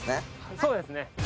そうですね